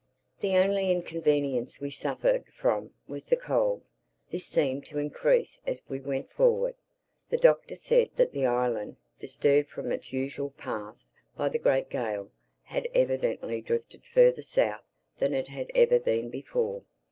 The only inconvenience we suffered from was the cold. This seemed to increase as we went forward. The Doctor said that the island, disturbed from its usual paths by the great gale, had evidently drifted further South than it had ever been before.